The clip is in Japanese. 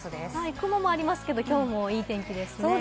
雲もありますけれども、きょうもいい天気ですね。